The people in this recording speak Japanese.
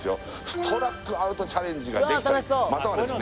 ストラックアウトチャレンジができたりまたはですね